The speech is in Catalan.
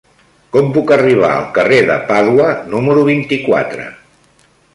Com puc arribar al carrer de Pàdua número vint-i-quatre?